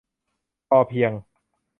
'พอเพียง'